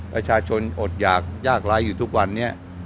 ประชาชนอดหยากยากร้ายอยู่ทุกวันนี้